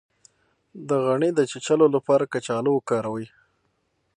د غڼې د چیچلو لپاره کچالو وکاروئ